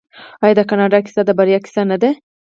آیا د کاناډا کیسه د بریا کیسه نه ده؟